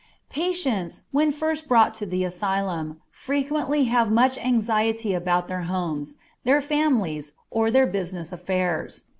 Patients, when first brought to the asylum, frequently have much anxiety about their homes, their families, or their business affairs.